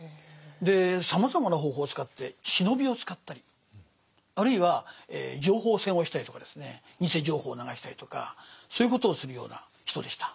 さまざまな方法を使って忍びを使ったりあるいは情報戦をしたりとかですね偽情報を流したりとかそういうことをするような人でした。